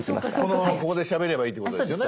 このままここでしゃべればいいってことですよね？